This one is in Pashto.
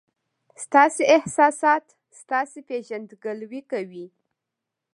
ستاسي احساسات ستاسي پېژندګلوي کوي.